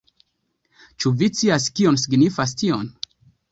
Ĉu vi scias kio signifas tion?